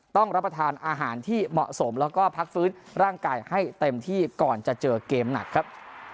ต้องรับประทานอาหารที่เหมาะสมแล้วก็พักฟื้นร่างกายให้เต็มที่ก่อนจะเจอเกมหนักครับ